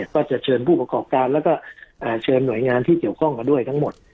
ก็จะเชิญผู้ประกอบการแล้วก็เชิญหน่วยงานที่เกี่ยวข้องมาด้วยทั้งหมด